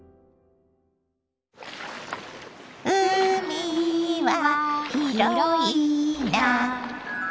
「うみはひろいな」